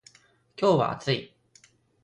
今日は暑い